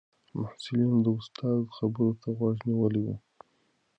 محصلینو د استاد خبرو ته غوږ نیولی و.